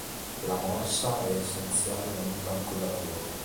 La morsa è essenziale in ogni banco da lavoro.